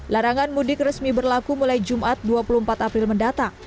larangan mudik resmi berlaku mulai jumat dua puluh empat april mendatang